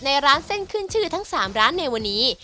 ร้านเส้นขึ้นชื่อทั้ง๓ร้านในวันนี้